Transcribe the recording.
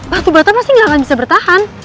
batu batu pasti gak akan bisa bertahan